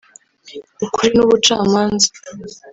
ukuri n’ubucamanza